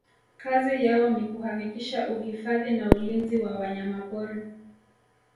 kazi yao ni kuhakikisha uhifadhi na ulinzi wa wanyamapori